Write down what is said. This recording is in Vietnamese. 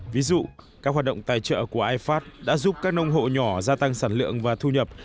ví dụ các hoạt động tài trợ của ifad đã giúp các nông hộ nhỏ gia tăng sản lượng và thu nhập